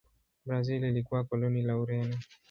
Brazil ilikuwa koloni la Ureno.